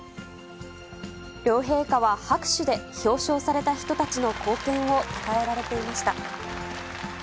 両陛下は拍手で表彰された人たちの貢献をたたえられていました。